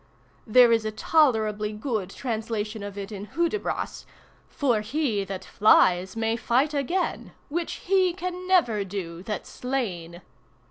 ] There is a tolerably good translation of it in Hudibras— 'For he that flies may fight again, Which he can never do that's slain.